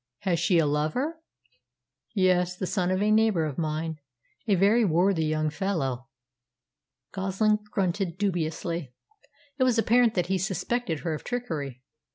"Has she a lover?" "Yes; the son of a neighbour of mine, a very worthy young fellow." Goslin grunted dubiously. It was apparent that he suspected her of trickery.